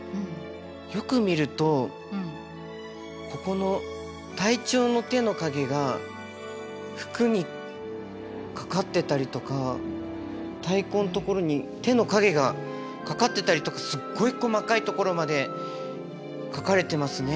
よく見るとここの隊長の手の影が服にかかってたりとか太鼓のところに手の影がかかってたりとかすっごい細かいところまで描かれてますね影を。